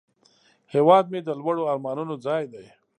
هیواد مې د لوړو آرمانونو ځای دی